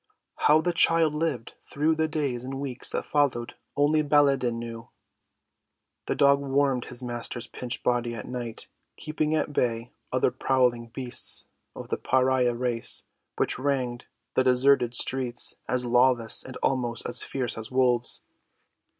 How the child lived through the days and weeks that followed only Baladan knew. The dog warmed his master's pinched body at night, keeping at bay other prowling beasts of the pariah race which ranged the deserted streets, as lawless and almost as fierce as wolves.